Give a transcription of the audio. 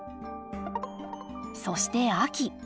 そして秋。